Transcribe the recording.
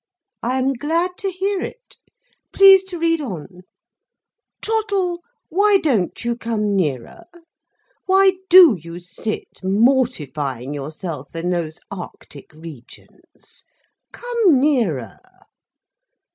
"I am glad to hear it. Please to read on. Trottle, why don't you come nearer? Why do you sit mortifying yourself in those arctic regions? Come nearer."